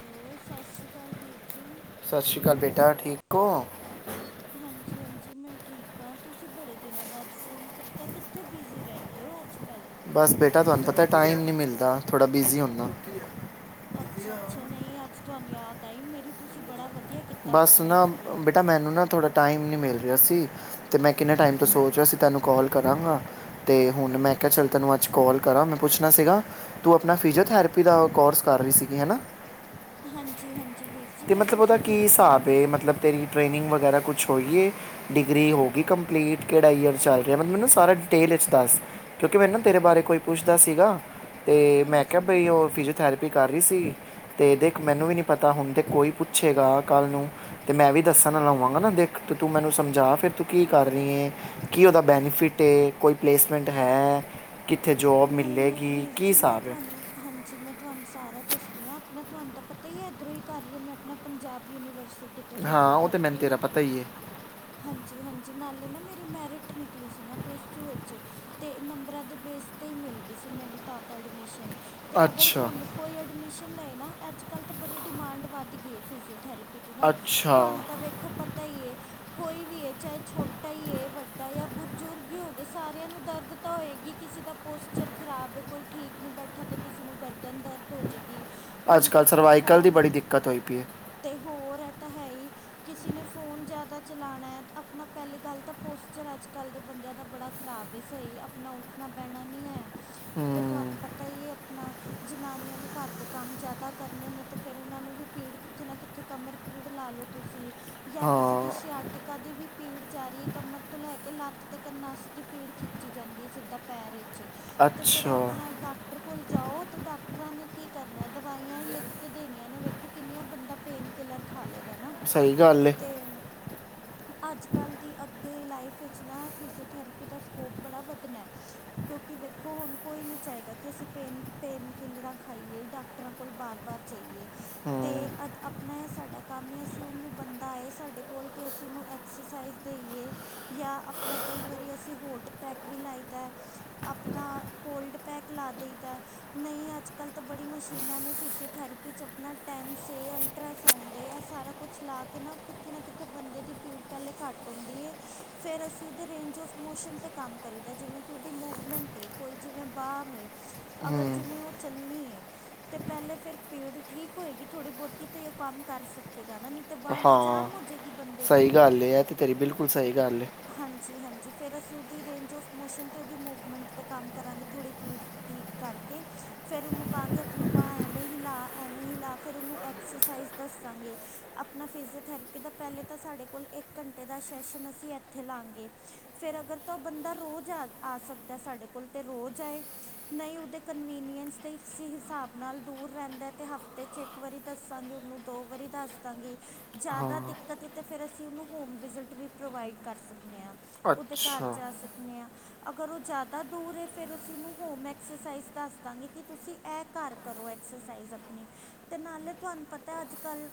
Hello! ਸਤਿ ਸ੍ਰੀ ਅਕਾਲ ਵੀਰ ਜੀ। ਸਤਿ ਸ਼੍ਰੀ ਅਕਾਲ ਬੇਟਾ ਠੀਕ ਹੋ, ਹਾਂਜੀ, ਹਾਂਜੀ, ਮੈਂ ਠੀਕ ਹਾਂ ਤੁਸੀਂ ਬੜੇ ਦਿਨਾਂ ਬਾਅਦ ਫੋਨ ਕੀਤਾ ਕਿੱਥੇ ਬਿਜ਼ੀ ਰਹਿੰਦੇ ਹੋ ਅੱਜ-ਕੱਲ੍ਹ, ਬਸ ਬੇਟਾ ਤੁਹਾਨੂੰ ਪਤਾ ਟਾਈਮ ਨਹੀਂ ਮਿਲਦਾ ਥੋੜਾ ਬਿਜ਼ੀ ਹੁੰਨਾ। ਅੱਛਾ! ਅੱਛਾ! ਨਹੀਂ ਅੱਜ ਤੁਹਾਨੂੰ ਯਾਦ ਟਾਈਮ ਮੇਰੀ ਤੁਸੀਂ ਬੜਾ ਵਧ ਬਸ ਨਾ, ਬੇਟਾ ਮੈਨੂੰ ਨਾ ਥੋੜ੍ਹਾ ਟਾਈਮ ਨਹੀਂ ਮਿਲ ਰਿਹਾ ਸੀ ਅਤੇ ਮੈਂ ਕਿੰਨੇ ਟਾਈਮ ਤੋਂ ਸੋਚ ਰਿਹਾ ਸੀ ਤੁਹਾਨੂੰ ਕੋਲ ਕਰਾਂਗਾ, ਅਤੇ ਹੁਣ ਮੈਂ ਕਿਹਾ ਚੱਲ ਤੈਨੂੰ ਅੱਜ ਕੋਲ ਕਰਾਂ ਮੈਂ ਪੁੱਛਣਾ ਸੀਗਾ, ਤੂੰ ਆਪਣਾ ਫਿਜੀਓਥੈਰੇਪੀ ਦਾ ਕੋਰਸ ਕਰ ਰਹੀ ਸੀਗੀ ਹੈ ਨਾ, ਹਾਂਜੀ, ਹਾਂਜੀ, ਵੀਰ ਜੀ ਤੇ ਮੈਂ ਮਤਲਬ ਫਿਰਜ਼ ਉਹਦਾ ਕੀ ਹਿਸਾਬ ਏ, ਮਤਲਬ ਤੇਰੀ ਟ੍ਰੇਨਿੰਗ ਵਗੈਰਾ ਕੁਛ ਹੋਈਏ ਡਿਗਰੀ ਹੋ ਗਈ ਕੰਪਲੀਟ, ਕਿਹੜਾ ਈਅਰ ਚੱਲ ਰਿਹਾ ਮਤਲਬ ਮੈਨੂੰ ਸਾਰਾ ਡਿਟੇਲ ਵਿੱਚ ਦੱਸ, ਕਿਉਂਕਿ ਮੈਨੂੰ ਨਾ ਤੇਰੇ ਬਾਰੇ ਕੋਈ ਪੁੱਛਦਾ ਸੀਗਾ। ਤੇ ਮੈਂ ਕਿਹਾ ਹਾਂਜੀ ਬਈ ਉਹ ਹਾਂਜੀ ਫਿਜ਼ਓਥਰੇਪੀ ਕਰ ਰਹੀ ਸੀ, ਤੇ ਦੇਖ ਮੈਨੂੰ ਵੀ ਨੀ ਪਤਾ ਹੁਣ ਤੇ ਕੋਈ ਪੁੱਛੇਗਾ। ਕੱਲ ਨੂੰ ਤੇ ਮੈਂ ਵੀ ਦੱਸਣ ਲਾਵਾਂਗਾ ਨਾ ਦਿੱਖ ਤੇ ਤੂੰ ਮੈਨੂੰ ਸਮਝਾ ਫਿਰ ਤੂੰ ਕੀ ਕਰ ਰਹੀ ਏ, ਕੀ ਉਹਦਾ ਬੈਨੀਫਿਟ ਏ ਕੋਈ ਪਲੇਸਮੈਂਟ ਹੈ। ਕਿੱਥੇ ਜੌਬ ਨਹੀਂ ਨਹੀਂ ਮਿਲੇਗੀ ਵੀਰ ਕੀ ਜੀ ਮੈਂ ਹਿਸਾਬ ਹੈ ਤੁਹਾਨੂੰ, ਹਾਂਜੀ ਮੈਂ ਤੁਹਾਨੂੰ ਸਾਰਾ ਦੱਸਦੀ ਹਾਂ। ਮੈਂ ਤੁਹਾਨੂੰ ਤਾਂ ਪਤਾ ਹੀ ਹੈ, ਇੱਧਰੋਂ ਹੀ ਕਰ ਰਹੀ ਮੈਂ ਆਪਣਾ ਪੰਜਾਬ ਯੂਨੀਵਰਸਿਟੀ ਤੋਂ ਹਾਂ ਉਹ ਤੇ ਮੈਨੂੰ ਫਿਜ਼ੀਓਥੈਰੇਪੀ ਤੇਰਾ ਪਤਾ ਹੀ ਹੈ। ਹਾਂਜੀ ਹਾਂਜੀ ਨਾਲੇ ਨਾ ਮੇਰੀ ਮੈਰਿਟ ਨਿਕਲੀ ਸੀ ਨਾ ਪਲੱਸ ਟੂ ਵਿੱਚ। ਅਤੇ ਨੰਬਰਾਂ ਦੇ ਬੇਸ 'ਤੇ ਹੀ ਮਿਲ ਗਈ ਸੀ ਮੈਨੂੰ ਤਾਂ ਤਾਂ ਐਡਮਿਸ਼ਨ ਤੇ ਅਗਰ ਅੱਛਾ ਹੁਣ ਕੋਈ ਐਡਮਿਸ਼ਨ ਨਹੀ ਨਾ ਆਜ ਕੱਲ ਤਾਂ ਬੜੀ ਡਿਮਾਂਡ ਵੱਧ ਗਈ ਐ, ਪਿਜ਼ਿਓ ਥੇਰੇਪੀ ਦੀ। ਨਾ ਅੱਛਾ ਤੁਹਾਨੂੰ ਤਾਂ ਵੇਖੋ ਪਤਾ ਹੀਈ। ਕੋਈ ਵੀ ਚਾਹੇ ਛੋਟਾ ਹੀ ਹੈ ਵੱਡਾ ਜਾਂ ਬੁਰਜ਼ੁਰਗ ਹੀ ਹੋਵੇ। ਸਾਰਿਆਂ ਨੂੰ ਦਰਦ ਤਾਂ ਹੋਏਗੀ ਕਿਸੇ ਦਾ ਪੋਸਚਰ ਖ਼ਰਾਬ ਹੈ ਕੋਈ ਠੀਕ ਨਹੀਂ ਬੈਠਾ ਤੇ ਕਿਸੇ ਨੂੰ ਗਰਦਨ ਦਰਦ ਹੋ ਜਾਵੇਗੀ ਹੁਣ ਅੱਜ ਕੱਲ ਕਿਸੇ ਨੇ ਸਰਵਾਈਕਲ ਦੀ ਫੋਨ ਬੜੀ ਦਿੱਕਤ ਹੋਈ ਪਈ ਹੈ ਤੇ ਹੋਰ ਹੈ ਤਾਂ ਹੈ ਹੀ ਕਿਸੇ ਨੇ ਫੋਨ ਜ਼ਿਆਦਾ। ਚਲਾਉਣਾ ਹੈ ਆਪਣਾ ਪਹਿਲੀ ਗੱਲ ਤਾਂ ਪੋਸਚਰ ਅੱਜ ਕੱਲ੍ਹ ਦੇ ਬੰਦਿਆਂ ਦਾ ਬੜਾ ਖ਼ਰਾਬ ਹੈ ਸਹੀ ਆਪਣਾ ਉੱਠਣਾ ਪੈਣਾ ਨਹੀਂ ਹੈ। ਤੇ ਹੂੰ ਤੁਹਾਨੂੰ ਪਤਾ ਹੀ ਆਪਣਾ ਜਨਾਨੀਆਂ ਨੇ ਘਰ ਦੇ ਕੰਮ ਜ਼ਿਆਦਾ ਕਰਨੇ ਨੇ ਤੇ ਫਿਰ ਉਹਨਾਂ ਨੂੰ ਵੀ ਪੀੜ ਕਿੱਥੇ ਨਾ ਕਿੱਥੇ ਕਮਰ ਪੀੜ ਲਾ ਲਓ ਤੁਸੀਂ। ਜਾਂ ਕਿਸੇ ਦੀ ਹਾਂ ਆਟਿਕਾ ਦੀ ਵੀ ਭੀੜ ਜਾ ਰਹੀ ਹੈ ਕਮਰ ਤੋਂ ਲੈ ਕੇ ਲਤ ਤੱਕ ਨੱਸ ਦੀ ਭੀੜ ਖਿੱਚੀ ਜਾਂਦੀ ਹੈ ਸਿੱਧਾ ਪੈਰ ਤੇ ਫਿਰ ਅੱਛਾ ਆਪਣਾ ਡਾਕਟਰ ਕੋਲ ਜਾਓ ਤੇ ਡਾਕਟਰਾਂ ਨੇ ਕੀ ਕਰਨਾ ਦਵਾਈਆਂ ਲਿਖ। ਕੇ ਦੇਣੀਆਂ ਨੇ ਵੇਖੋ ਕਿੰਨੀਆਂ ਬੰਦਾ ਪੇਨ ਕਿਲਰ ਖਾਲ ਲਿਆ। ਨਾ ਸਹੀ ਗੱਲ ਹੈ ਤੇ। ਅੱਜ ਕੱਲ ਦੀ ਅੱਗੇ ਦੀ ਲਾਈਫ ਖਚਣਾ ਹੈ ਫਿਜ਼ੀਓਥੈਰੇਪੀ ਦਾ ਸਕੋਪ ਬੜਾ ਵਧਣਾ ਹੈ। ਕਿਉਂਕਿ ਵੇਖੋ ਹੁਣ ਕੋਈ ਨਹੀਂ ਚਾਹੇਗਾ ਕਿ ਅਸੀਂ ਪੇਨ ਪੇਨ ਕਿਲਰਾਂ ਖਾਈਏ ਡਾਕਟਰਾਂ ਕੋਲ ਬਾਰ ਬਾਰ ਜਾਈਏ। ਹੂੰ ਤੇ ਆਪਣੇ ਸਾਡਾ ਕੰਮ ਏ ਅਸੀਂ ਉਹਨੂੰ ਬੰਦਾ ਆਏ ਸਾਡੇ ਕੋਲ ਅਤੇ ਅਸੀਂ ਉਹਨੂੰ ਐਕਸਸਾਈਜ਼ ਦੇਈਏ ਜਾਂ ਆਪਣਾ ਕਈ ਵਾਰੀ ਅਸੀਂ ਹੋਟ ਪੈਕ ਵੀ ਲਾਈ ਦਾ ਆਪਣਾ ਕੋਲਡ ਪੈਕ ਲਾ ਦੇਈਦਾ ਨਹੀਂ ਅੱਜ ਕੱਲ੍ਹ ਤਾਂ ਬੜੀ ਮਸ਼ੀਨਾਂ ਨੇ ਫਿਜ਼ੀਓਥੈਰੇਪੀ 'ਚ ਆਪਣਾ ਟੈਨਸ ਏ ਅਲਟਰਾਸਾਊਂਡ ਏ ਇਹ ਸਾਰਾ ਕੁਛ ਲਾ ਕੇ ਨਾ ਕਿੱਥੇ ਨਾ ਕਿਥੇ ਤੇ ਬੰਦੇ ਦੀ ਪੀੜ ਪਹਿਲੇ ਘੱਟ ਹੁੰਦੀ ਫਿਰ ਅਸੀਂ ਉਹਦੇ ਰੇਂਜ ਔਫ ਮੋਸ਼ਨ 'ਤੇ ਕੰਮ ਕਰੀਦਾ ਜਿਵੇਂ ਕਿ ਉਹਦੀ ਮੂਵਮੈਂਟ ਏ ਕੋਈ ਜਿਵੇਂ ਬਾਂਹ ਵੇ ਹੈ ਅਗਰ ਹੂੰ ਜਿਵੇਂ ਉਹ ਚੱਲਣੀ ਏ ਤਾਂ ਪਹਿਲੇ ਫਿਰ ਪੀੜ ਠੀਕ ਹੋਏਗੀ ਥੋੜ੍ਹੀ ਬਹੁਤੀ ਤਾਂ ਉਹ ਕੰਮ ਕਰ ਸਕੇਗਾ ਨਾ ਤੇ ਤੇ ਬਾਂਹ ਤਾਂ ਹਾਂ ਜਾਮ ਹੋ ਸਹੀ ਗੱਲ ਏ ਇਹ ਤੇ ਤੇਰੀ ਬਿਲਕੁਲ ਸਹੀ ਗੱਲ ਏ ਹਾਂਜੀ ਹਾਂਜੀ ਫਿਰ ਅਸੀਂ ਉਹਦੀ ਰੇਂਜ ਔਫ ਮੋਸ਼ਨ ਤੇ ਉਹਦੀ ਮੂਵਮੈਂਟ 'ਤੇ ਕੰਮ ਕਰਾਂਗੇ ਥੋੜੀ ਪੀੜ ਠੀਕ ਕਰਕੇ ਫਿਰ ਉਹਨੂੰ ਕਹਾਂਗੇ ਆਪਣੀ ਬਾਂਹ ਐਵੇਂ ਹੀਲਾ ਐਵੇਂ ਹੀਲਾ ਫਿਰ ਉਹਨੂੰ ਐਕਸਰਸਾਈਜ਼ ਦੱਸਾਂਗੇ ਆਪਣਾ ਫਿਜ਼ੀਓਥੈਰੇਪੀ ਤਾਂ ਪਹਿਲੇ ਤਾਂ ਸਾਡੇ ਕੋਲ ਇੱਕ ਘੰਟੇ ਦਾ ਸੈਸ਼ਨ ਅਸੀਂ ਇੱਥੇ ਲਾਗੇ ਫਿਰ ਅਗਰ ਤਾਂ ਉਹ ਬੰਦਾ ਰੋਜ਼ ਆ ਆ ਸਕਦਾ ਸਾਡੇ ਕੋਲ ਤਾਂ ਰੋਜ਼ ਆਏ ਨਹੀਂ ਉਹਦੇ ਕਨਵੀਨੀਐਂਸ ਤਾਂ ਇਸ ਹਿਸਾਬ ਨਾਲ ਦੂਰ ਰਹਿੰਦਾ ਅਤੇ ਹਫ਼ਤੇ 'ਚ ਇੱਕ ਵਾਰੀ ਦੱਸਾਂਗੇ ਉਹਨੂੰ ਦੋ ਵਾਰੀ ਦੱਸ ਦਾਂਗੇ ਜ਼ਦਾ ਜ਼ਿਆਦਾ ਦਿੱਕਤ ਏ ਤੇ ਫਿਰ ਅਸੀਂ ਉਹਨੂੰ ਹੋਮ ਵਿਜ਼ਿਟ ਵੀ ਪ੍ਰੋਵਾਈਡ ਕਰ ਸਕਨੇ ਆ ਉਹਦੇ ਘਰ ਅੱਛਾ ਜਾ ਸਕਨੇ ਆ ਅਗਰ ਉਹ ਜ਼ਿਆਦਾ ਦੂਰ ਫਿਰ ਅਸੀਂ ਉਹਨੂੰ ਹੋਮ ਐਕਸਰਸਾਈਜ਼ ਦੱਸ ਦਾਂਗੇ ਕਿ ਤੁਸੀਂ ਇਹ ਘਰ ਕਰੋ ਐਕਸਰਸਾਈਜ਼ ਆਪਣੀ ਅਤੇ ਨਾਲੇ ਤੁਹਾਨੂੰ ਪਤਾ ਅੱਜ ਕੱਲ੍ਹ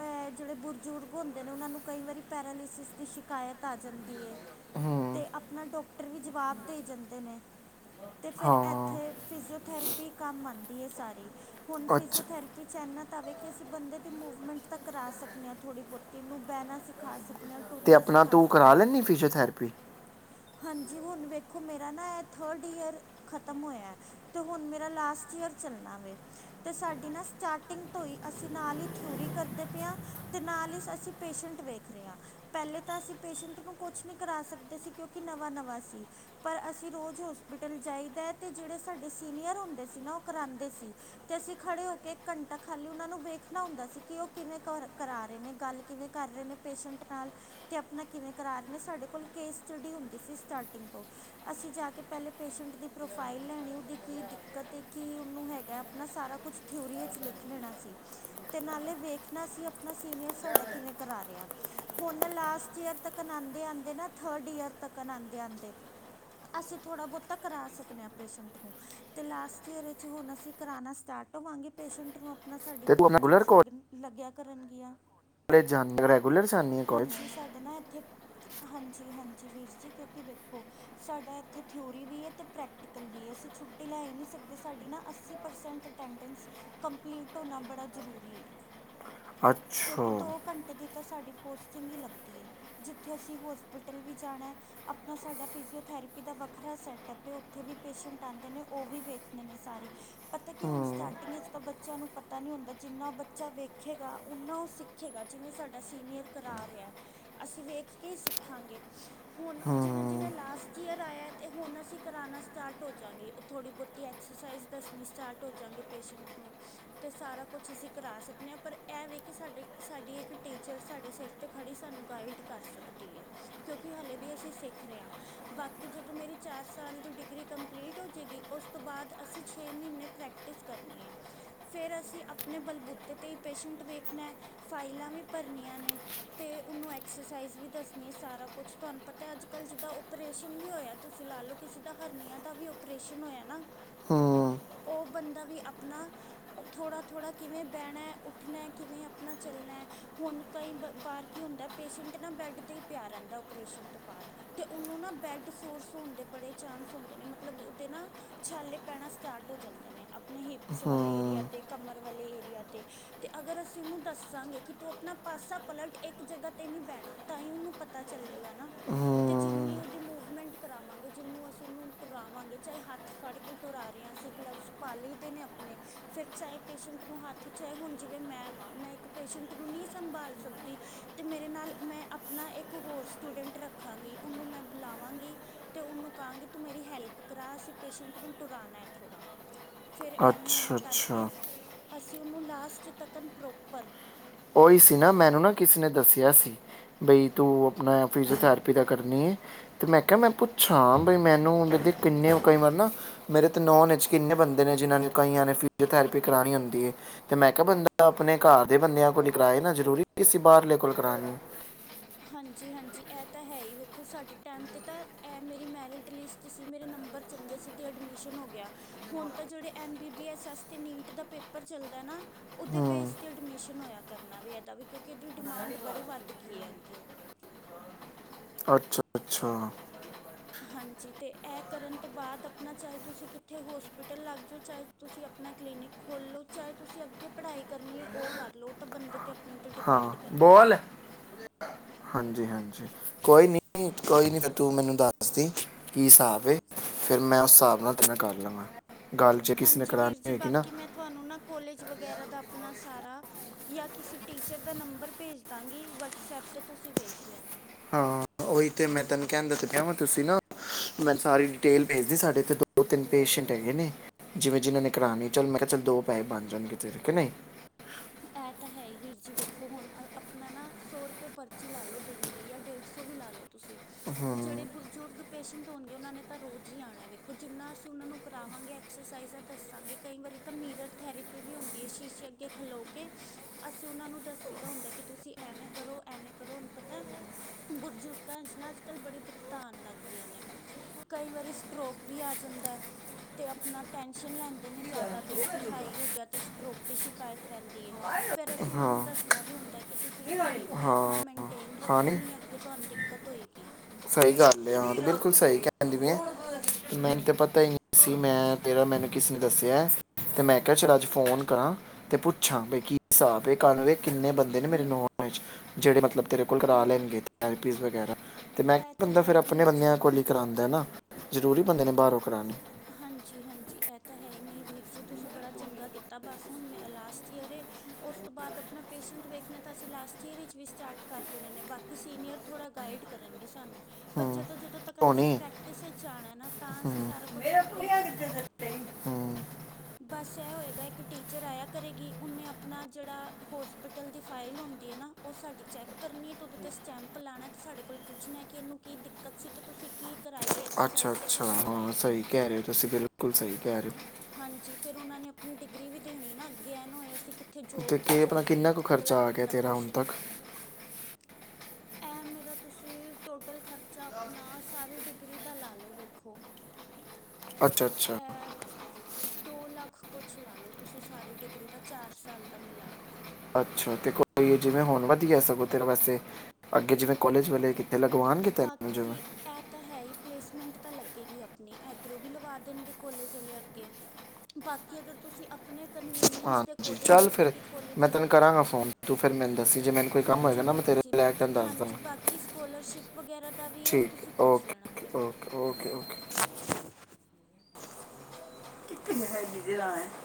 ਅ ਜਿਹੜੇ ਬੁਰ ਬਜ਼ੁਰਗ ਹੁੰਦੇ ਨੇ ਉਹਨਾਂ ਨੂੰ ਕਈ ਵਾਰੀ ਪੈਰਾਲੀਸਿਸ ਦੀ ਸ਼ਿਕਾਇਤ ਆ ਜਾਂਦੀ ਹੈ ਹੂੰ ਤੇ ਆਪਣਾ ਡਾਕਟਰ ਵੀ ਜਵਾਬ ਦੇ ਜਾਂਦੇ ਨੇ ਤੇ ਫਿਰ ਹਾਂ ਇੱਥੇ ਫਿਜ਼ੀਓਥੈਰੇਪੀ ਕੰਮ ਆਂਦੀ ਏ ਸਾਰੀ ਹੁਨ ਅੱਛਾ ਫਿਜ਼ੀਓਥਰੇਪੀ ਇਨ੍ਹਾਂ ਤਾਂ ਵੇਖਿਆ। ਅਸੀਂ ਬੰਦੇ ਦੀ ਮੂਵਮੈਂਟ ਤਾਂ ਕਰਾ ਸਕਦੇ ਆ। ਥੋੜ੍ਹੀ ਬਹੁਤੀ ਉਹਨੂੰ ਬਹਿਨਾ ਸਿਖਾ ਸਕਦੇ। ਤੇ, ਆਪਣਾ ਤੂੰ ਕਰਾ ਲੈਨੀ ਫਿਜ਼ਓਥੈਰੇਪੀ? ਹਾਂਜੀ ਹੁਨ ਵੇਖੋ ਮੇਰਾ ਨਾ ਇਹ ਥਰਡ ਈਅਰ ਖਤਮ ਹੋਇਆ ਐ। ਤੇ ਹੁਣ ਮੇਰਾ ਲਾਸਟ ਈਅਰ ਚੱਲਣਾ ਵੇ ਤੇ। ਸਾਡੀ ਨਾ ਸਟਾਰਟਿੰਗ ਤੋਂ ਹੀ ਅਸੀਂ ਨਾਲ ਹੀ ਥਿਊਰੀ ਕਰਦੇ ਪਏ ਆ। ਅਤੇ ਨਾਲ ਹੀ ਅਸੀਂ ਪੇਸ਼ੈਂਟ ਵੇਖ ਰਹੇ ਆ। ਪਹਿਲੇ ਤਾਂ ਅਸੀਂ ਪੇਸ਼ੈਂਟ ਨੂੰ ਕੁਛ ਨਹੀਂ ਕਰਾ ਸਕਦੇ ਸੀ। ਕਿਉਂਕਿ ਨਵਾਂ, ਨਵਾਂ ਸੀ, ਪਰ ਅਸੀਂ ਰੋਜ਼ ਹੋਸਪਿਟਲ ਜਾਈਦਾ ਤੇ ਜਿਹੜੇ ਸਾਡੇ ਸੀਨੀਅਰ ਹੁੰਦੇ ਸੀ, ਨਾ ਉਹ ਕਰਾਉਂਦੇ ਸੀ। ਅਤੇ ਅਸੀਂ ਖੜ੍ਹੇ ਹੋ ਕੇ ਇੱਕ ਘੰਟਾ ਖਾਲੀ ਉਹਨਾਂ ਨੂੰ ਵੇਖਣਾ ਹੁੰਦਾ ਸੀ ਕਿ ਉਹ ਕਿਵੇਂ ਕਰਦੇ? ਕਰਾ ਰਹੇ ਨੇ ਗੱਲ ਕਿਵੇਂ ਕਰ ਰਹੇ ਨੇ ਪੇਸ਼ੈਂਟ ਨਾਲ ਤੇ ਆਪਣਾ ਕਿਵੇਂ ਕਰਾ ਰਹੇ ਨੇ। ਸਾਡੇ ਕੋਲ ਕੇਸ ਸਟੱਡੀ ਹੁੰਦੀ ਸੀ ਸਟਾਰਟਿੰਗ ਤੋਂ। ਅਸੀਂ ਜਾ ਕੇ ਪਹਿਲੇ ਪੇਸ਼ੈਂਟ ਦੀ ਪ੍ਰੋਫਾਈਲ ਲੈਣੀ। ਉਹਦੀ ਕੀ ਦਿੱਕਤ ਐ ਕੀ ਉਹਨੂੰ ਹੈਗਾ। ਆਪਣਾ ਸਾਰਾ ਕੁਛ ਥਿਊਰੀ ਵਿੱਚ ਲਿਖ ਲੈਣਾ ਸੀ। ਅਤੇ ਨਾਲੇ ਵੇਖਣਾ ਸੀ। ਸੀਨੀਅਰ ਸਾਡਾ ਕਿਵੇਂ ਕਰਾ ਰਿਹਾ? ਹੁਣ ਲਾਸਟ ਈਅਰ ਤੱਕ ਆਂਦੇ, ਆਂਦੇ ਨਾ ਥਰਡ ਈਅਰ ਤੱਕ ਆਂਦੇ, ਆਂਦੇ ਅਸੀਂ ਥੋੜਾ ਬਹੁਤਾ ਕਰਾ ਸਕਦੇ ਆ। ਪੇਸ਼ੈਂਟ ਨੂੰ ਤੇ ਲਾਸਟ ਈਅਰ ਵਿੱਚ ਹੁਣ ਅਸੀਂ ਕਰਾਨਾ ਸਟਾਰਟ ਹੋਵਾਂਗੇ ਪੇਸ਼ੈਂਟ ਨੂੰ। ਸਾਡੀ ਤੇ ਤੂੰ ਆਪਣਾ ਰੈਗੂਲਰ ਪੋਸਟਿੰਗਸ ਲੱਗਣ ਲੱਗਿਆ ਕਰਨਗੀਆਂ। ਕਾਲਜ ਜਾਨੀ ਰੈਗੂਲਰ ਜਾਨੀ ਏ ਕਾਲਜ? ਹਾਂਜੀ ਸਾਡਾ ਨਾ ਇੱਥੇ ਹਾਂਜੀ, ਹਾਂਜੀ ਵੀਰ ਜੀ ਕਿਉਂਕਿ ਵੇਖੋ ਸਾਡਾ ਇੱਥੇ ਥਿਊਰੀ ਵੀ ਏ ਅਤੇ ਪ੍ਰੈਕਟੀਕਲ ਵੀ ਏ। ਅਸੀਂ ਛੁੱਟੀ ਲੈ ਹੀ ਨਹੀਂ ਸਕਦੇ। ਸਾਡੀ ਨਾ ਅੱਸੀ ਪਰਸੈਂਟ ਅਟੈਂਡੈਂਸ ਕੰਪਲੀਟ ਹੋਣਾ ਬੜਾ ਜ਼ਰੂਰੀ ਏ। ਅੱਛਾ ਤਾਂ ਸਾਡੀ ਪੋਸਟਿੰਗ ਹੀ ਲੱਗਦੀ ਏ ਜਿੱਥੇ ਅਸੀਂ ਹੋਸਪੀਟਲ ਵੀ ਜਾਣਾ। ਆਪਣਾ ਸਾਡਾ ਫਿਜੀਓਥੈਰੇਪੀ ਦਾ ਵੱਖਰਾ ਸੈਟਅੱਪ ਏ। ਉੱਥੇ ਵੀ ਪੇਸ਼ੈਂਟ ਆਉਂਦੇ ਨੇ, ਉਹ ਵੀ ਵੇਖਦੇ ਨੇ ਸਾਰੇ ਪਤਾ ਕੀ ਹੁਣ ਸਟਾਰਟਿੰਗ ਵਿੱਚ ਤਾਂ ਬੱਚਿਆਂ ਨੂੰ ਪਤਾ ਨਹੀਂ ਹੁੰਦਾ। ਜਿੰਨਾ ਬੱਚਾ ਵੇਖੇ ਗਾ ਸਿੱਖੇਗਾ ਨਾਂ ਉਹ ਸਿੱਖੇਗਾ ਜਿਵੇਂ ਸਾਡਾ ਸੀਨੀਅਰ ਕਰਾ ਰਿਹਾ। ਅਸੀਂ ਵੇਖ ਕੇ ਹੀ ਸਿੱਖਾਂਗੇ ਹੁਣ ਜਿਵੇਂ ਹੂੰ ਜਿਵੇਂ ਲਾਸਟ ਈਅਰ ਆਇਆ ਤੇ ਹੁਣ ਅਸੀਂ ਕਰਾਉਣਾ ਸਟਾਰਟ ਹੋ ਜਾਂਵਾਂਗੇ। ਉਹ ਥੋੜ੍ਹੀ ਬਹੁਤੀ ਐਕਸਰਸਾਈਜ਼ ਦੱਸਣੀ ਸਟਾਰਟ ਹੋ ਜਾਂਗੇ ਪੇਸ਼ੈਂਟ ਨੂੰ ਅਤੇ ਸਾਰਾ ਕੁਛ ਅਸੀਂ ਕਰਾ ਸਕਣੇ ਆ। ਪਰ ਇਹ ਵੀ ਕਿ ਸਾਡੀ, ਸਾਡੀ ਇੱਕ ਟੀਚਰ ਸਾਡੇ ਸਿਰ 'ਤੇ ਖੜ੍ਹੀ ਸਾਨੂੰ ਗਾਈਡ ਕਰ ਸਕਦੀ ਹੈ। ਕਿਉਂਕਿ ਹਾਲੇ ਵੀ ਅਸੀਂ ਸਿੱਖ ਰਹੇ ਹਾਂ ਬਾਕੀ ਜਦੋਂ ਮੇਰੀ ਚਾਰ ਸਾਲ ਦੀ ਡਿਗਰੀ ਕੰਪਲੀਟ ਹੋ ਜੇਗੀ। ਉਸ ਤੋਂ ਬਾਅਦ ਅਸੀਂ ਛੇ ਮਹੀਨੇ ਪ੍ਰੈਕਟਿਸ ਕਰਨੀ ਹੈ। ਫਿਰ ਅਸੀਂ ਆਪਣੇ ਬਲਬੂਤੇ ਪੇਸ਼ੈਂਟ ਵੇਖਣਾ ਫਾਈਲਾਂ ਵੀ ਭਰਨੀਆਂ ਨੇ ਤੇ ਉਹਨੂੰ ਐਕਸਰਸਾਈਜ਼ ਵੀ ਦੱਸਣੀ ਏ। ਸਾਰਾ ਕੁਛ ਤੁਹਾਨੂੰ ਪਤਾ ਅੱਜ ਕੱਲ ਜਿੱਦਾਂ ਓਪਰੇਸ਼ਨ ਵੀ ਹੋਇਆ। ਤੁਸੀਂ ਲਾ ਲਓ ਕਿਸੇ ਦਾ ਹਰਨੀਆਂ ਦਾ ਵੀ ਓਪਰੇਸ਼ਨ ਹੋਇਆ ਨਾ। ਹੂੰ ਉਹ ਬੰਦਾ ਵੀ ਆਪਣਾ ਥੋੜਾ, ਥੋੜਾ ਕਿਵੇਂ ਬਹਿਣਾ ਉੱਠਣਾ ਕਿਵੇਂ ਆਪਣਾ ਚੱਲਣਾ। ਹੁਣ ਕਈ ਬਾਰ ਕੀ ਹੁੰਦਾ ਪੇਸ਼ੈਂਟ ਨਾ ਬੈਡ ਤੇ ਹੀ ਪਿਆ ਰਹਿੰਦਾ। ਓਪਰੇਸ਼ਨ ਤੋਂ ਬਾਅਦ ਤੇ ਉਹਨੂੰ ਨਾ ਬੈਡ ਸੋਰਸ ਹੋਣ ਦੇ ਬੜੇ ਚਾਂਸ ਹੁੰਦੇ ਨੇ ਮਤਲਬ ਉਹਦੇ ਨਾ ਛਾਲੇ ਪੈਣਾ ਸਟਾਰਟ ਹੋ ਜਾਂਦੇ ਨੇ। ਆਪਣੇ ਹਿਪਸ ਵਾਲੇ ਏਰੀਆ ਹੂੰ ਤੇ ਕਮਰ ਵਾਲੇ ਏਰੀਆ ਤੇ। ਤੇ ਅਗਰ ਅਸੀਂ ਉਹਨੂੰ ਦੱਸਾਂਗੇ। ਕਿ, ਤੂੰ ਆਪਣਾ ਪਾਸਾ ਪਲਟ ਇੱਕ ਜਗ੍ਹਾ ਤੇ ਨਹੀਂ ਬਹਿਣਾ। ਤਾਂ, ਹੀ ਉਹਨੂੰ ਪਤਾ ਚੱਲੇਗਾ ਨਾ। ਤੇ, ਜਿੰਨੀ ਹੂੰ ਉਹਦੀ ਮੂਵਮੈਂਟ ਕਰਾਵਾਂਗੇ। ਜਿਹਨੂੰ ਅਸੀਂ ਉਹਨੂੰ ਟੁਰਾਵਾਂਗੇ ਚਾਹੇ ਹੱਥ ਫੜ ਕੇ ਟੁਰਾ ਰਹੇ ਹਾਂ। ਅਸੀਂ ਗਲਵਸ ਪਾ ਲਈ ਦੇ ਨੇ ਆਪਣੇ ਫਿਰ ਚਾਹੇ ਪੇਸ਼ੈਂਟ ਨੂੰ ਹੱਥ ਚਾਹੇ ਹੁਣ ਜਿਵੇਂ ਮੈਂ ਵਾਂ ਮੈਂ ਇੱਕ ਪੇਸ਼ੈਂਟ ਨੂੰ ਨੀ ਸੰਭਾਲ ਸਕਦੀ। ਤੇ, ਮੇਰੇ ਨਾਲ ਮੈਂ ਆਪਣਾ ਇੱਕ ਹੋਰ ਸਟੂਡੈਂਟ ਰੱਖਾਂਗੀ। ਉਹਨੂੰ ਮੈਂ ਬੁਲਾਵਾਂਗੀ। ਤੇ, ਉਹ ਨੂੰ ਕਹਾਂਗੀ ਤੂੰ ਮੇਰੀ ਹੈਲਪ ਕਰਾ। ਅਸੀਂ ਪੇਸ਼ੈਂਟ ਨੂੰ ਟੁਰਾਣਾ ਹੈ ਥੋੜਾ। ਫਿਰ ਐਵੇਂ, ਐਵੇਂ ਅੱਛਾ ਕਰਕੇ ਅੱਛਾ ਅਸੀਂ ਤੇ ਉਹਨੂੰ ਲਾਸਟ ਤੱਕਨ ਪ੍ਰੋਪਰ ਉਹੀ ਸੀ ਨਾ ਮੈਨੂੰ ਨਾ ਕਿਸੇ ਨੇ ਦੱਸਿਆ ਸੀ। ਬਈ ਤੂੰ ਆਪਣਾ ਫਿਜੀਓਥੈਰੇਪੀ ਦਾ ਕਰਨੀ ਹੈ। ਤੇ, ਮੈਂ ਕਿਹਾ ਮੈਂ ਪੁੱਛਾਂ ਬਈ ਮੈਨੂੰ ਕਿੰਨੇ ਕਈ ਵਾਰ ਨਾ ਮੇਰੇ ਤੇ ਨੋਨ ਚ ਕਿੰਨੇ ਬੰਦੇ ਨੇ ਜਿਹਨਾਂ ਨੂੰ ਕਈਆਂ ਨੇ ਫਿਜਓਥੈਰੇਪੀ ਕਰਾਣੀ ਹੁੰਦੀ ਏ। ਤੇ, ਮੈਂ ਕਿਹਾ ਬੰਦਾ ਆਪਣੇ ਘਰ ਦੇ ਬੰਦਿਆਂ ਕੋਲ ਕਰਾਏ ਨਾ ਜ਼ਰੂਰੀ ਕਿਸੇ ਬਾਹਰਲੇ ਕੋਲ ਕਰਾਣੀ। ਹਾਂਜੀ, ਹਾਂਜੀ ਇਹ ਤਾਂ ਹੈ ਹੀ ਵੇਖੋ ਸਾਡੇ ਟਾਈਮ 'ਤੇ ਤਾਂ ਇਹ ਮੇਰੀ ਮੈਰਿਟ ਲਿਸਟ ਸੀ। ਮੇਰੇ ਨੰਬਰ ਚੰਗੇ ਸੀ ਤੇ ਐਡਮਿਸ਼ਨ ਹੋ ਗਿਆ। ਹੁਣ ਤਾਂ ਜਿਹੜੇ M, B, B, S, S. ਤੇ, ਨੀਟ ਦਾ ਪੇਪਰ ਚੱਲਦਾ ਨਾ ਉਹਦੇ ਹੂੰ ਬੇਸ 'ਤੇ ਐਡਮਿਸ਼ਨ ਹੋਇਆ ਕਰਨਾ। ਵੀ ਇਹਦਾ ਵੀ ਕਿਉਂਕਿ ਇਹਦੀ ਡਿਮਾਂਡ ਬੜੀ ਵੱਧ ਗਈ ਏ ਓਕੇ। ਅੱਛਾ, ਅੱਛਾ। ਹਾਂਜੀ ਤੇ ਇਹ ਕਰਨ ਤੋਂ ਬਾਅਦ ਆਪਣਾ ਚਾਹੇ ਤੁਸੀਂ ਕਿੱਥੇ ਹੋਸਪਿਟੱਲ ਲੱਗ ਜਾਓ। ਚਾਹੇ, ਤੁਸੀਂ ਆਪਣਾ ਕਲੀਨਿਕ ਖੋਲੋ। ਚਾਹੇ, ਤੁਸੀਂ ਅੱਗੇ ਪੜ੍ਹਾਈ ਕਰਨੀ ਹੈ। ਉਹ ਕਰ ਲਓ ਤਾਂ ਬੰਦੇ ਤੇ ਆਪ ਬੋਲ ਹਾਂਜੀ, ਹਾਂਜੀ। ਕੋਈ ਨੀ, ਕੋਈ ਨੀ ਤੂੰ ਮੈਨੂੰ ਦੱਸਦੀ ਕੀ ਹਿਸਾਬ ਏ। ਫਿਰ ਮੈਂ ਉਸ ਹਿਸਾਬ ਨਾਲ ਤੈਨੂੰ ਕਰ ਲਵਾਂਗਾ। ਹਾਂਜੀ ਵੀਰ ਜੀ ਬਾਕੀ ਮੈਂ ਤੁਹਾਨੂੰ ਨਾ ਕੋਲੇਜ ਵਗੈਰਾ ਦਾ ਆਪਣਾ ਸਾਰਾ ਜਾਂ ਕਿਸੇ ਟੀਚਰ ਦਾ ਨੰਬਰ ਭੇਜ ਦਾਂਗੀ। ਵਟਸਐਪ ਤੇ ਤੁਸੀਂ ਵੇਖ ਲੈਣਾ। ਹਾਂ ਉਹੀ ਤੇ ਮੈਂ ਤੈਨੂੰ ਕਹਿਣ ਦਾ ਕਿਹਾ ਤੁਸੀਂ ਨਾ ਮੈਂ ਸਾਰੀ ਡਿਟੇਲ ਭੇਜਦੀ। ਸਾਡੇ ਇਥੇ ਦੋ ਤਿੰਨ ਪੇਸ਼ੈਂਟ ਹੈਗੇ ਨੇ ਜਿਵੇਂ ਜਿਨਾਂ ਨੇ ਕਰਾਉਣੇ ਚੱਲ ਮੈਂ ਕਿਹਾ ਚੱਲ ਦੋ ਪੈਸੇ ਬਣ ਜਾਣਗੇ। ਤੇ, ਨਹੀਂ ਇਹ ਤਾਂ ਹੈ ਹੀ ਵੀਰ ਜੀ ਵੇਖੋ ਹੁਣ ਆਪਣਾ ਨਾ ਸੌ ਰੁਪਏ ਪਰਚੀ ਲਾ ਲਓ ਦਿਨ ਦੀ, ਜਾਂ ਡੇਢ ਸੌ ਵੀ ਲਾ ਲਓ ਤੁਸੀਂ। ਹਾਂ ਜਿਹੜੇ ਬਜ਼ੁਰਗ ਪੇਸ਼ੈਂਟ ਹੁੰਗੇ ਉਹਨਾਂ ਨੇ ਤਾਂ ਰੋਜ਼ ਹੀ ਆਉਣਾ ਵੇਖੋ ਜਿੰਨਾ ਅਸੀਂ ਉਹਨਾਂ ਨੂੰ ਕਰਾਵਾਂਗੇ ਐਕਸਰਸਾਈਜ਼ਾਂ ਦੱਸਾਂਗੇ ਕਈ ਵਾਰੀ ਤਾਂ ਮੀਰਰ ਥੈਰੇਪੀ ਵੀ ਹੁੰਦੀ ਹੈ ਸ਼ੀਸ਼ੇ ਅੱਗੇ ਖਲੋ ਅਸੀਂ ਉਹਨਾਂ ਨੂੰ ਦੱਸੀ ਦਾ ਹੁੰਦਾ ਕਿ ਤੁਸੀਂ ਐਵੇਂ ਕਰੋ, ਐਵੇਂ ਕਰੋ। ਹੁਨ ਪਤਾ ਬਜ਼ੁਰਗਾਂ ਨਾ ਅੱਜ ਕੱਲ੍ਹ ਬੜੀ ਦਿੱਕਤਾਂ ਆਉਣ ਲੱਗ ਗਈਆਂ ਨੇ ਕਈ ਵਾਰੀ ਸਟਰੋਕ ਵੀ ਆ ਜਾਂਦਾ। ਤੇ, ਆਪਣਾ ਟੈਸ਼ਨ ਲੈਂਦੇ ਨੇ ਜ਼ਿਆਦਾ ਬੀ, ਪੀ ਹਾਈ ਹੋ ਗਿਆ। ਤੇ, ਸਟਰੋਕ ਦੀ ਸ਼ਿਕਾਇਤ ਰਹਿੰਦੀ ਫਿਰ ਅਸੀਂ ਉਹਨਾਂ ਨੂੰ ਦੱਸਣਾ ਵੀ ਹੁੰਦਾ। ਕਿ, ਤੁਸੀਂ ਬੀ, ਪੀ ਆਪਣਾ ਹਾਂ ਮਂਨਟੇਨ ਮਂਨਟੇਨ ਹਾਂ ਰੱਖੋ ਨਹੀਂ ਨੀ ਅੱਗੇ ਤੁਹਾਨੂੰ ਕੱਦੋ ਹੋਏਗੀ? ਸਹੀ ਗੱਲ ਹਾਂ ਤੇ ਬਿਲਕੁਲ ਸਹੀ ਕਹਿ ਦੀ ਵੀ ਹੈ। ਮੈਨੂੰ ਤੇ ਪਤਾ ਹੀ ਨਹੀਂ ਸੀ। ਮੈਂ ਤੇਰਾ ਮੈਨੂੰ ਕਿਸੇ ਨੇ ਦੱਸਿਆ ਤੇ ਮੈਂ ਕਿਹਾ ਚ, ਅੱਜ ਫੋਨ ਕਰਾਂ ਤੇ ਪੁੱਛਾਂ ਬੀ ਕੀ ਹਿਸਾਬ ਹੈ? ਕਿੰਨੇ ਬੰਦੇ ਨੇ ਮੇਰੇ ਨੋਨ ਵਿੱਚ। ਜਿਹੜੇ ਮਤਲਬ ਤੇਰੇ ਕੋਲ ਘਰ ਲੈਣਗੇ ਥਰੇਪੀ ਵਗੈਰਾ ਇਹ ਤਾਂ ਬੰਦਾ ਹੈ ਫਿਰ ਹੀ ਆਪਣੇ ਵੀਰ ਜੀ ਬੰਦਿਆਂ ਕੋਲ ਹਾਂਜੀ ਕਰਾਉਂਦਾ ਨਾ ਜ਼ਰੂਰੀ ਬੰਦੇ ਨੇ ਬਾਹਰੋਂ ਕਰਾਉਣੀ ਹਾਂਜੀ ਹਾਂਜੀ ਇਹ ਤਾਂ ਹੈ ਨਹੀਂ ਵੀਰ ਜੀ ਤੁਸੀਂ ਬੜਾ ਚੰਗਾ ਕੀਤਾ ਬਸ ਹੁਣ ਮੇਰਾ ਲਾਸਟ ਈਅਰ ਏ ਉਸ ਤੋਂ ਬਾਅਦ ਆਪਣਾ ਪੇਸ਼ੈਂਟ ਵੇਖਣਾ ਤਾਂ ਅਸੀਂ ਲਾਸਟ ਈਅਰ ਵਿੱਚ ਵੀ ਸਟਾੱਰਟ ਕਰ ਦੇਣੇ ਨੇ ਬਾਕੀ ਸੀਨੀਅਰ ਥੋੜ੍ਹਾ ਗਾਈਡ ਕਰਨਗੇ ਸਾਨੂੰ ਪਰ ਹੂੰ ਜਦੋਂ ਜਦੋਂ ਤੱਕ ਅਸੀਂ ਧੋਨੀ ਪ੍ਰੈਕਟਿਸ ਵਿੱਚ ਆਉਣਾ ਨਾ ਤਾਂ ਅਸੀਂ ਸਾਰਾ ਕੁੱਛ ਆਪੇ ਹੀ ਕਰਨਾ ਹੂੰ ਬਸ ਇਹ ਹੋਏਗਾ ਇੱਕ ਟੀਚਰ ਆਇਆ ਕਰੇਗੀ ਉਹਨੇ ਆਪਣਾ ਜਿਹੜਾ ਹੋਸਪਿਟਲ ਦੀ ਫਾਈਲ ਹੁੰਦੀ ਹੈ ਨਾ ਉਹ ਸਾਡੀ ਚੈੱਕ ਕਰਨੀ ਹੈ ਤੇ ਉਹਦੇ ਤੇ ਸਟੈਂਪ ਲਾਣਾ ਤੇ ਸਾਡੇ ਕੋਲ ਪੁੱਛਣਾ ਕਿ ਇਹਨੂੰ ਕੀ ਦਿੱਕਤ ਸੀ ਤੇ ਤੁਸੀਂ ਕੀ ਕਰਾਈ ਹੈ ਅੱਛਾ ਐਕਸਰਸਾਈਜ਼ ਤੇ ਅੱਛਾ ਕਿਉਂ ਹਾਂ ਕਰਾਈ ਸਹੀ ਕਹਿ ਰਹੇ ਹੋ ਤੁਸੀਂ ਬਿਲਕੁਲ ਸਹੀ ਕਰ ਹਾਂਜੀ ਫਿਰ ਉਹਨਾਂ ਨੇ ਆਪਣੀ ਡਿਗਰੀ ਵੀ ਦੇਣੀ ਨਾ ਅੱਗੇ ਐ ਨਾ ਹੋਏ ਅਸੀਂ ਉੱਥੇ ਜੋਬ 'ਤੇ ਕੀ ਆਪਣਾ ਜਾਈਏ ਕਿੰਨਾ ਕੁ ਅਗਲਾ ਖਰਚਾ ਆ ਗਿਆ ਬੰਦਾ ਤੇਰਾ ਹੁਣ ਕੁਸ਼ਚਨ ਤੱਕ ਕਰੇ ਇਹ ਮੇਰਾ ਤੁਸੀਂ ਟੋਟੱਲ ਖਰਚਾ ਆਪਣਾ ਸਾਰੀ ਡਿਗਰੀ ਦਾ ਲਾ ਲੋ ਵੇਖੋ ਅੱਛਾ ਅੱਛਾ ਦੋ ਲੱਖ ਕੁੱਛ ਲਾ ਲੋ ਤੁਸੀਂ ਸਾਰੀ ਡਿਗਰੀ ਦਾ ਚਾਰ ਸਾਲ ਦਾ ਮਿਲਾ ਕੇ ਅੱਛਾ ਤੇ ਕੋਈ ਜਿਵੇਂ ਹੁਣ ਵਧੀਆ ਸਗ ਤੇ ਵੈਸੇ ਅੱਗੇ ਜਿਵੇਂ ਕੋਲੇਜ ਵਾਲੇ ਲਗਵਾਉਣਗੇ ਤੈਨੂੰ ਜਿਵੇਂ ਬਾਕੀ ਐ ਤਾਂ ਹੈ ਹੀ ਪਲੇਸਮੈਂਟ ਤਾਂ ਲੱਗੇਗੀ ਆਪਣੀ ਇੱਧਰੋਂ ਵੀ ਲਵਾ ਦੇਣਗੇ ਕੋਲੇ ਜਲੇ ਅੱਗੇ ਬਾਕੀ ਅਗਰ ਤੁਸੀਂ ਆਪਣੇ ਕਨਵੀਨੀਅਂਸ ਹਾਂਜੀ ਚੱਲ ਫਿਰ ਮੈਂ ਤੈਨੂੰ ਕਰਾਂਗਾ ਫੋਨ ਤੂੰ ਫਿਰ ਮੈਨੂੰ ਦੱਸੀ ਜੇ ਮੈਨੂੰ ਕੋਈ ਕੰਮ ਹੋਏਗਾ ਹਾਂਜੀ ਨਾ ਮੈਂ ਵੀਰ ਤੇਰੇ ਜੀ ਲੈ ਕੇ ਤੈਨੂੰ ਦੱਸ ਹਾਂਜੀ ਦਾਂਗਾ ਬਾਕੀ ਸਕੋਲਰਸ਼ਿਪ ਵਗੈਰਾ ਦਾ ਵੀ ਹੈ ਉਹ ਤੁਸੀਂ ਠੀਕ ਪੁੱਛ ਲੈਣਾ ਓਕੇ ਮੇਰੇ ਓਕੇ ਓਕੇ ਓਕੇ ਕੋਲੋਂ ਹੈ ਜੀ ਜੇ ਰ ਹੈ [unintelligible]